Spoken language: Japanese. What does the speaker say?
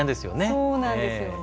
そうなんですよね。